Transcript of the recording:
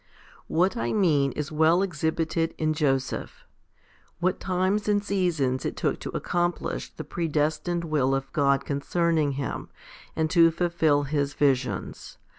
2. What I mean is well exhibited in Joseph. What times and seasons it took to accomplish the predestined will of God concerning him, and to fulfil his visions.